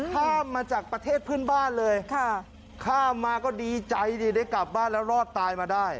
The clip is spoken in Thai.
ข้ามมาจากประเทศเพื่อนบ้านเลยข้ามมาก็ดีใจดิได้กลับบ้านแล้วรอดตายมาได้